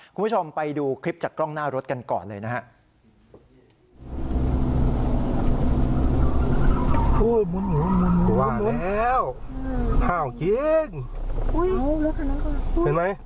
คุณผู้ชมไปดูคลิปจากกล้องหน้ารถกันก่อนเลยนะฮะ